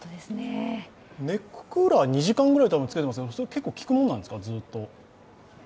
ネッククーラー２時間ぐらいつけてますけど、それ結構、効くものなんですか？